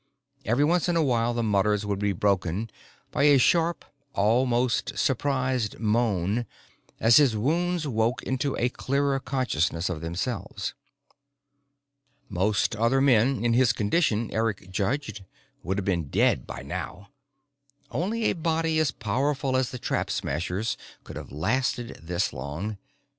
Every once in a while, the mutters would be broken by a sharp, almost surprised moan as his wounds woke into a clearer consciousness of themselves. Most other men in his condition, Eric judged, would have been dead by now. Only a body as powerful as the Trap Smasher's could have lasted this long.